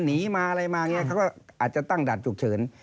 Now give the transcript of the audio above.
หนีมาอะไรมาเขาก็อาจจะตั้งด่านจุกเฉิน